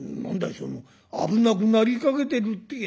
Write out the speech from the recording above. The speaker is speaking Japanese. その危なくなりかけてるってえのは」。